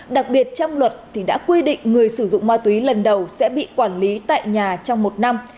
đặc biệt trong luật thì đã quy định người sử dụng ma túy lần đầu sẽ bị quản lý tại nhà trong một năm